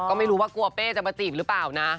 ก็ไม่รู้ว่ากลัวเป้จะมาจีบหรือเปล่านะ